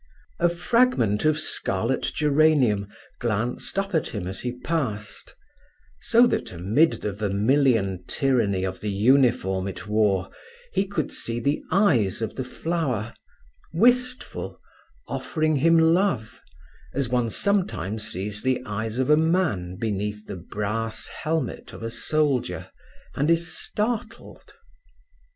A fragment of scarlet geranium glanced up at him as he passed, so that amid the vermilion tyranny of the uniform it wore he could see the eyes of the flower, wistful, offering him love, as one sometimes see the eyes of a man beneath the brass helmet of a soldier, and is startled.